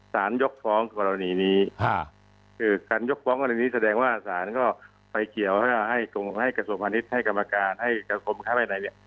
สารยกฟ้องกรณีนี้คือการยกฟ้องกรณีนี้แสดงว่าสารก็ไปเกี่ยวให้กรมค้าไปไหนเนี่ย